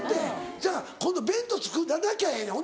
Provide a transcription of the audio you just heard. せやから今度弁当作らなきゃええねん。